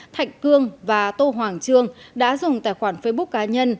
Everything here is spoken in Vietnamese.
thạch cương và tô hoàng trương đã dùng tài khoản facebook cá nhân